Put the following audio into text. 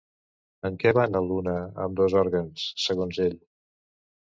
En què van a l'una, ambdós òrgans, segons ell?